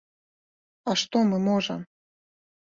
А што мы можам?